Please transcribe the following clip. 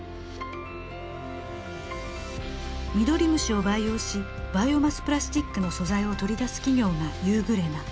ミドリムシを培養しバイオマスプラスチックの素材を取り出す企業がユーグレナ。